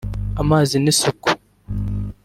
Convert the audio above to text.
amazi n’isuku